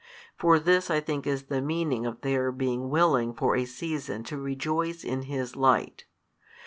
For this I think is the meaning of their being willing for a season to rejoice in his light.